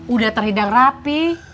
udah terhidang rapi